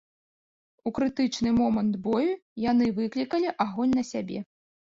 У крытычны момант бою яны выклікалі агонь на сябе.